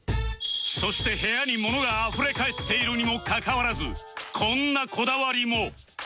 そして部屋にものが溢れかえっているにもかかわらずこんなこだわりも